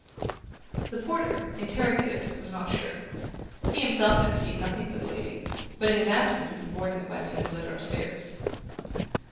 The porter, interrogated, was not sure. He himself had received nothing for the lady, but in his absence his subordinate might have sent a letter upstairs.